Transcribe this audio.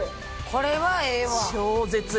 これはええわ。